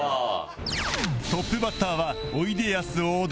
トップバッターはおいでやす小田